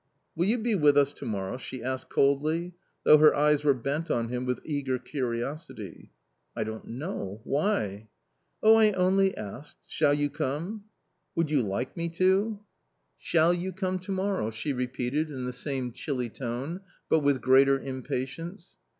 " Will you be with us to morrow ?" she asked coldly, though her eyes were bent on him with eager curiosity. " I don't know ; why? "" Oh,. I only asked ; shall you come ?"" Would you like me to ?" A COMMON STORY 115 " Shall you come to morrow ?" she repeated in the same chilly tone, but with greater impatience.